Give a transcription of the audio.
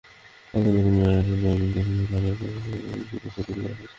অথচ নতুন বাসের ব্যয় বিশ্লেষণ ধরে ভাড়া বৃদ্ধির প্রস্তাব তৈরি করা হয়েছে।